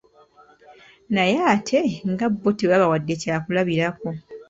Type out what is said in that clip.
Naye ate nga bo tebabawadde kyakulabirako.